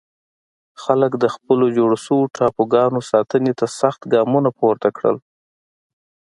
خلک د خپلو جوړ شوو ټاپوګانو ساتنې ته سخت ګامونه پورته کړل.